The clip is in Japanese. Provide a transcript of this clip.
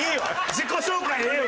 自己紹介ええわ！